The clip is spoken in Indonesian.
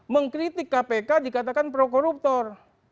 mengkritik kpk dikatakan pro koruptor